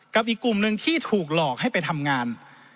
อีกกลุ่มหนึ่งที่ถูกหลอกให้ไปทำงาน